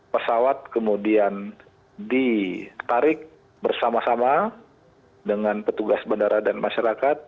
pesawat kemudian ditarik bersama sama dengan petugas bandara dan masyarakat